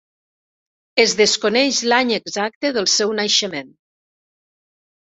Es desconeix l'any exacte del seu naixement.